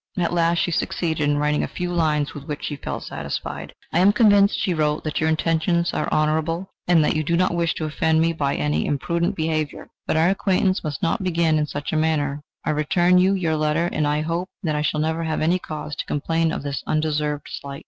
At last she succeeded in writing a few lines with which she felt satisfied. "I am convinced," she wrote, "that your intentions are honourable, and that you do not wish to offend me by any imprudent behaviour, but our acquaintance must not begin in such a manner. I return you your letter, and I hope that I shall never have any cause to complain of this undeserved slight."